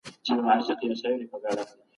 ږومنځ او تولیه باید شخصي وي.